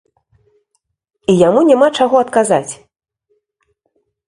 І яму няма чаго адказаць.